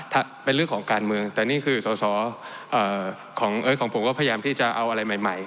ถ้าเป็นเรื่องของการเมืองแต่นี่คือสอสอของผมก็พยายามที่จะเอาอะไรใหม่ใหม่